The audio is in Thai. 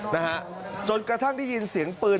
นะฮะจนกระทั่งได้ยินเสียงปืน